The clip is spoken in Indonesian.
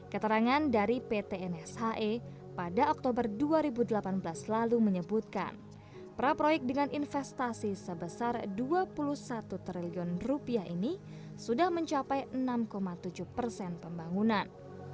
keterangan dari pt nshe pada oktober dua ribu delapan belas lalu menyebutkan praproyek dengan investasi sebesar rp dua puluh satu triliun ini sudah mencapai enam tujuh persen pembangunan